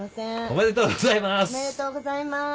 おめでとうございます。